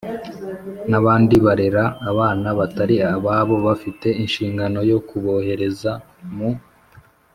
n'abandi barera abana batari ababo bafite inshingano yo kubohereza mu